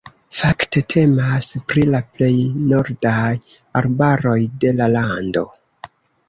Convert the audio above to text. Fakte temas pri la plej nordaj arbaroj de la lando.